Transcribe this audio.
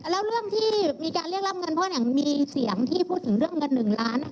แล้วเรื่องที่มีการเรียกรับเงินเพราะอย่างมีเสียงที่พูดถึงเรื่องเงิน๑ล้าน